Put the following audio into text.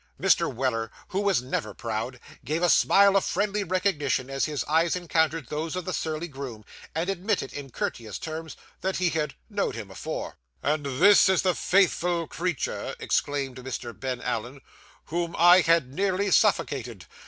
Mr. Weller, who was never proud, gave a smile of friendly recognition as his eyes encountered those of the surly groom, and admitted in courteous terms, that he had 'knowed him afore.' 'And this is the faithful creature,' exclaimed Mr. Ben Allen, 'whom I had nearly suffocated!